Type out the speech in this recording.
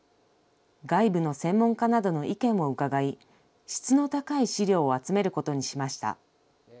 外部の専門家などの意見も伺い、質の高い資料を集めることにしました。